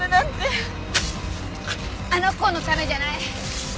あの子のためじゃない。